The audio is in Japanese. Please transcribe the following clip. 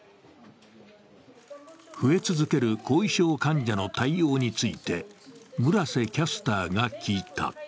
増え続ける後遺症患者の対応について村瀬キャスターが聞いた。